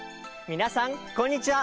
みなさんこんにちは！